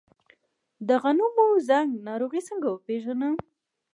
د غنمو زنګ ناروغي څنګه وپیژنم؟